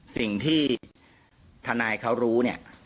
สิ่งที่ทานายเขารู้